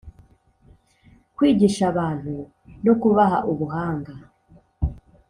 Kwigisha abantu no kubaha ubuhanga